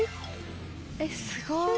えすごい。